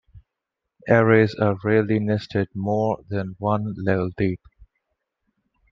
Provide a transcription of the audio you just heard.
Arrays are rarely nested more than one level deep.